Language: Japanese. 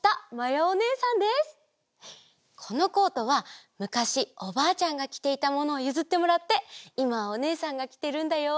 このコートはむかしおばあちゃんがきていたものをゆずってもらっていまはおねえさんがきてるんだよ！